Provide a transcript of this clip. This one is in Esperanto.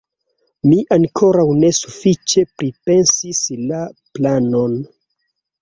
Mi ankoraŭ ne sufiĉe pripensis la planon.